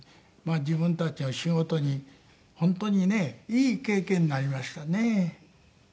自分たちは仕事に本当にねいい経験になりましたね。